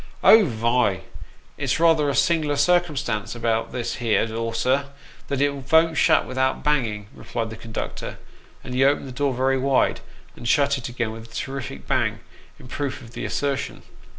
" Oh ! vy, it's rather a sing'ler circumstance about this here door, sir, that it von't shut without banging," replied the conductor ; and he opened the door very wide, and shut it again with a terrific bang, in proof of the assertion.